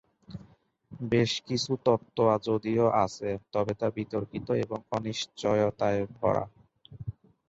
বেশ কিছু তত্ব যদিও আছে তবে তা বিতর্কিত এবং অনিশ্চিয়তায় ভরা।